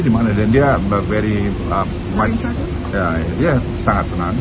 dan dia sangat senang